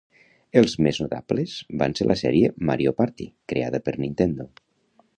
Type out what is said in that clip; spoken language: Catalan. Els més notables van ser la sèrie "Mario Party", creada per Nintendo.